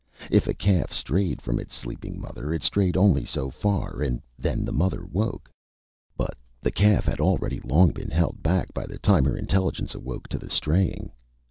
If a calf strayed from its sleeping mother, it strayed only so far, and then the mother woke but the calf had already long been held back by the time her intelligence awoke to the straying.